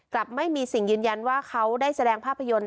กลับไม่มีสิ่งยืนยันว่าเขาได้แสดงภาพยนตร์